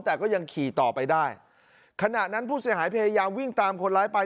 แต่ก็ยังขี่ต่อไปได้ขณะนั้นผู้เสียหายพยายามวิ่งตามคนร้ายไป